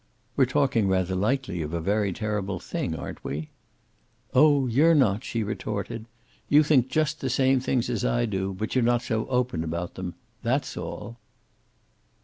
"We're talking rather lightly of a very terrible thing, aren't we?" "Oh, you're not," she retorted. "You think just the same things as I do, but you're not so open about them. That's all."